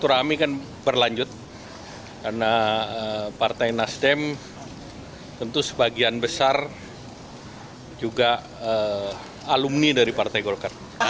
rame kan berlanjut karena partai nasdem tentu sebagian besar juga alumni dari partai golkar